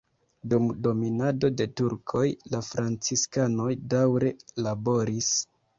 Dum dominado de turkoj la franciskanoj daŭre laboris.